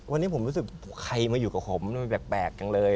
วันนี้ผมรู้สึกใครมาอยู่กับผมมันแปลกจังเลย